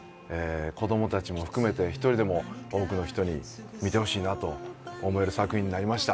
子供たちも含めて１人でも多くの人に見てほしいなと思える作品になりました。